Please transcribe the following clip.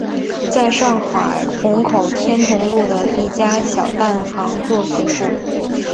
在上海虹口天潼路的一家小蛋行做学徒。